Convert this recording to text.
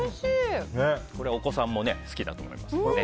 お子さんも好きだと思います。